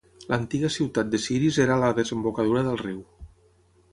L'antiga ciutat de Siris era a la desembocadura del riu.